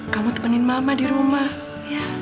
kamu temenin mama di rumah ya